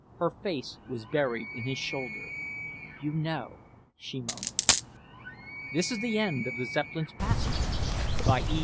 Her face was buried in his shoulder. "You know," she murmured. End of Project Gutenberg's The Zeppelin's Passenger, by E.